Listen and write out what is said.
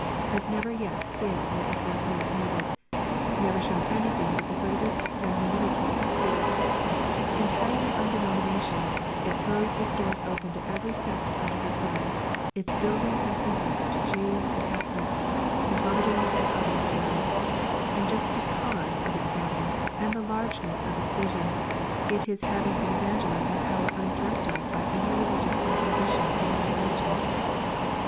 has never yet failed where it was most needed, never shown anything but the greatest magnanimity of spirit. Entirely undenominational, it throws its doors open to every sect under the sun, its buildings have been lent to Jews and Catholics, Mohammedans and others alike; and just because of its broadness and the largeness of its vision it is having an evangelising power undreamt of by any religious inquisition of the Middle Ages.